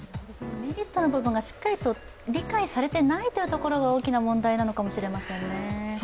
メリットの部分がしっかりと理解されていない部分が大きな問題かもしれませんね。